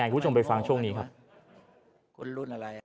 ใกล้คุณไปฟังช่วงนี้ครับ